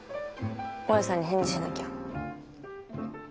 大家さんに返事しなきゃ。